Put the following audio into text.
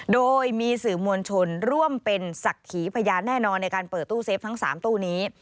โดยมีสื่อมวลชนร่วมเป็นศักดิ์ขีพยานแน่นอนในการเปิดตู้เซฟทั้ง๓ตู้นี้